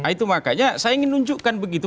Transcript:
itu makanya saya ingin nunjukkan begitu